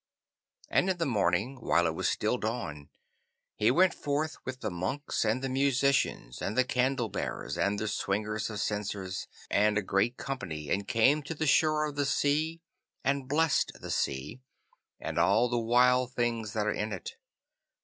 And in the morning, while it was still dawn, he went forth with the monks and the musicians, and the candle bearers and the swingers of censers, and a great company, and came to the shore of the sea, and blessed the sea, and all the wild things that are in it.